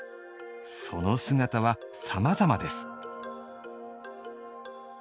その姿はさまざまです。